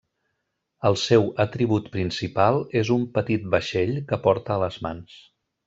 El seu atribut principal és un petit vaixell que porta a les mans.